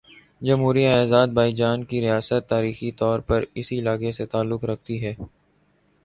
جمہوریہ آذربائیجان کی ریاست تاریخی طور پر اس علاقے سے تعلق رکھتی ہے